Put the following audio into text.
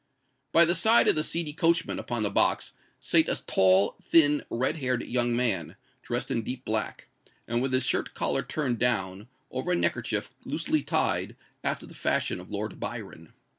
By the side of the seedy coachman upon the box sate a tall, thin, red haired young man, dressed in deep black, and with his shirt collar turned down, over a neckerchief loosely tied, after the fashion of Lord Byron.